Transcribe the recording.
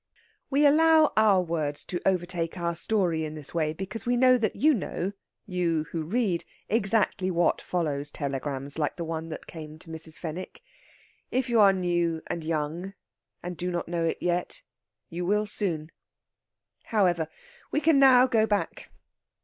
We allow our words to overtake our story in this way because we know that you know you who read exactly what follows telegrams like the one that came to Mrs. Fenwick. If you are new and young, and do not know it yet, you will soon. However, we can now go back.